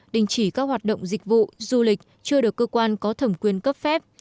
đình chỉ các hoạt động dịch vụ du lịch chưa được cơ quan có thẩm quyền cấp phép